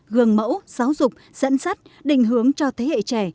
gương mẫu giáo dục dẫn dắt định hướng cho thế hệ trẻ